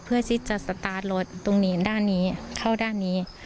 เพื่อที่จะสตาร์ทรถตรงนี้ด้านนี้เข้าด้านนี้